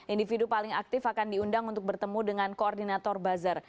individu paling aktif akan diundang untuk bertemu dengan koordinasi